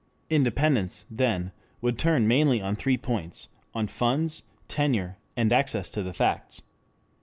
Independence, then, would turn mainly on three points on funds, tenure, and access to the facts.